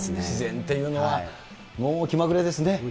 自然っていうのは、もう気まぐれですね。